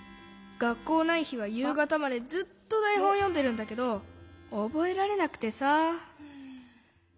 がっこうないひはゆうがたまでずっとだいほんよんでるんだけどおぼえられなくてさ。